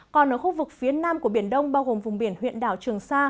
còn ở khu vực phía nam của biển đông bao gồm vùng biển huyện đảo trường sa